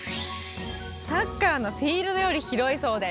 サッカーのフィールドより広いそうです。